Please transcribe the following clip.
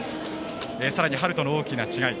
さらに春との大きな違い。